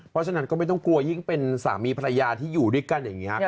เพราะฉะนั้นก็ไม่ต้องกลัวยิ่งเป็นสามีภรรยาที่อยู่ด้วยกันอย่างนี้